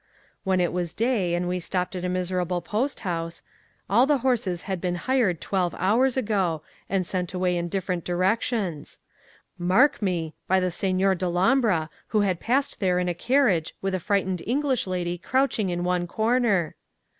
When it was day, and we stopped at a miserable post house, all the horses had been hired twelve hours ago, and sent away in different directions. Mark me! by the Signor Dellombra, who had passed there in a carriage, with a frightened English lady crouching in one corner.